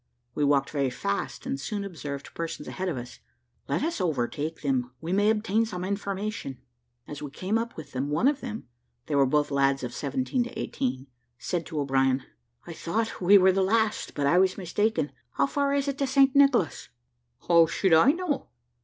We walked very fast, and soon observed persons ahead of us. "Let us overtake them, we may obtain some information." As we came up with them, one of them (they were both lads of seventeen to eighteen) said to O'Brien, "I thought we were the last, but I was mistaken. How far is it now to St. Nicholas?" "How should I know?"